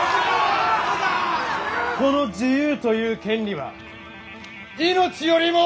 この自由という権利は命よりも重い！